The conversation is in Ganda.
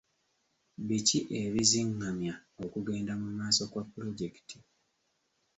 Biki ebizingamya okugenda mu maaso kwa pulojekiti?